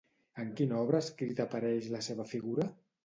En quina obra escrita apareix la seva figura?